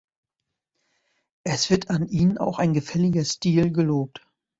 Es wird an ihnen auch ein gefälliger Stil gelobt.